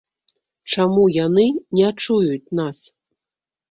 Чаму яны не чуюць нас?